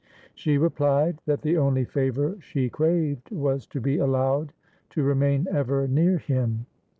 She replied that the only favour she craved was to be allowed to remain ever near him.